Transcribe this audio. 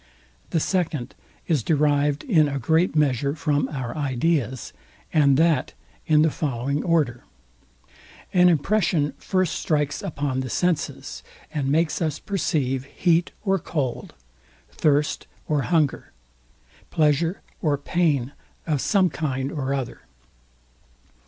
The second is derived in a great measure from our ideas, and that in the following order. An impression first strikes upon the senses, and makes us perceive heat or cold, thirst or hunger, pleasure or pain of some kind or other.